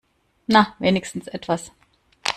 Na, wenigstens etwas.